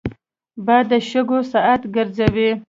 باد د شګو ساعت ګرځوي